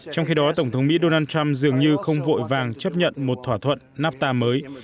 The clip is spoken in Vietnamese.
trong khi đó tổng thống mỹ donald trump dường như không vội vàng chấp nhận một thỏa thuận nafta mới